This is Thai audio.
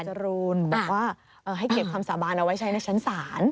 จรูนบอกว่าให้เก็บคำสาบานเอาไว้ใช้ในชั้นศาล